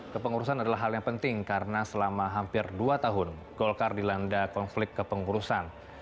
kepengurusan adalah hal yang penting karena selama hampir dua tahun golkar dilanda konflik kepengurusan